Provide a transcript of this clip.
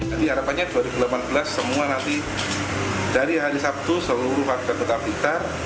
jadi harapannya dua ribu delapan belas semua nanti dari hari sabtu seluruh warga kota blitar